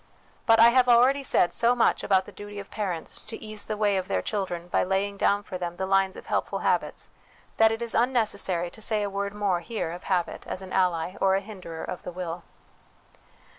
But T have already said so much about the duty of parents to ease the way of their children by laying down for them the lines of helpful habits, that it is unnecessary to say a word more here of habit as an ally or a hinderer of the will.